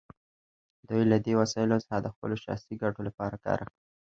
دوی له دې وسایلو څخه د خپلو شخصي ګټو لپاره کار اخلي.